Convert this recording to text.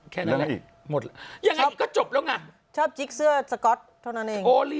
แล้วอีกหมดแล้วยังไงอีกก็จบแล้วไง